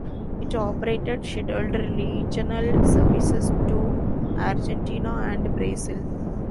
It operated scheduled regional services to Argentina and Brazil.